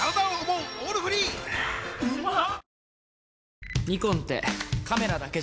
うまっ！